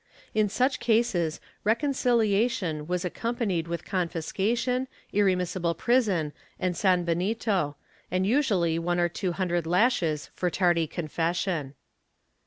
In such cases reconciliation was accompanied with confiscation, irremissible prison and sanbenito and usually one or two hundred lashes for tardy confession.